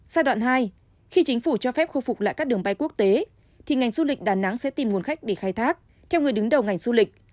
giai đoạn hai khi chính phủ cho phép khôi phục lại các đường bay quốc tế thì ngành du lịch đà nẵng sẽ tìm nguồn khách để khai thác theo người đứng đầu ngành du lịch